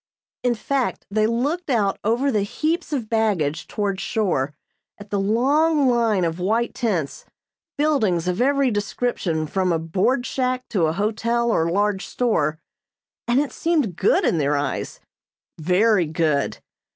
In fact they looked out over the heaps of baggage towards shore at the long fine of white tents, buildings of every description from a board shack to a hotel or large store, and it seemed good in their eyes very good.